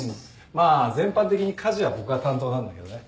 まあ全般的に家事は僕が担当なんだけどね。